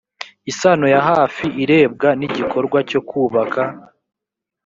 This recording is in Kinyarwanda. isano ya hafi irebwa n igikorwa cyo kubaka